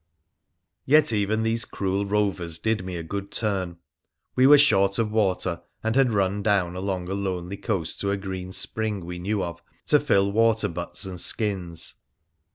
Yet even these cruel rovers did me a good turn. We were short of water, and had run down along a lonely coast to a green spring we knew of to fill water butts and skins.